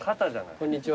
こんにちは。